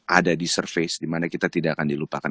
ada di service dimana kita tidak akan dilupakan